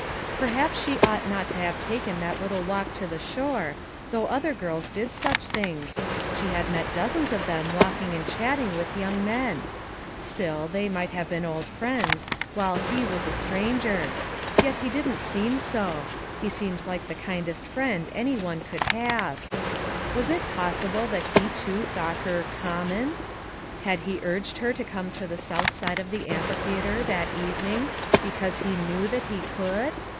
Perhaps she ought not to have taken that little walk to the shore, though other girls did such things ; she had met dozens of them walking and chatting with young men ; still, they might have been old friends while he was a stranger; but he didn't seem so; he seemed like the kindest friend any one could 240 FOUR MOTHERS AT CHAUTAUQUA 241 have. Was it possible that he too thought her " common"? Had he urged her to come to the south side of the Amphitheater, that even ing, because he knew that he could?